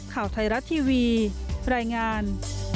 ข่าวไทยรัฐทีวีรายงาน